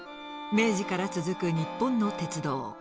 明治から続く日本の鉄道。